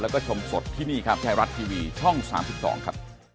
ขอบคุณครับสวัสดีครับ